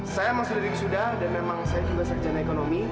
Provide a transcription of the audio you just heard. saya masududin sudar dan memang saya juga sekerjaan ekonomi